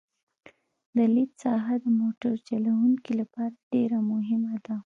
د لید ساحه د موټر چلوونکي لپاره ډېره مهمه ده